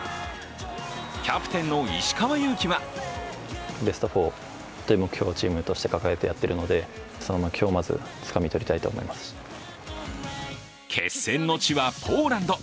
キャプテンの石川祐希は決戦の地はポーランド。